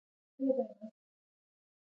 په بریده کې د یوې نجلۍ کیسه ده.